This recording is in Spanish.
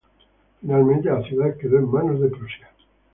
Finalmente la ciudad quedó en manos de Prusia.